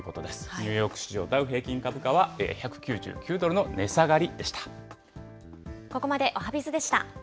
ニューヨーク市場ダウ平均株価は、１９９ドルの値下がりでした。